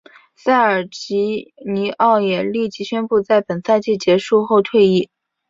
塞尔吉尼奥也立即宣布在本赛季结束后退役。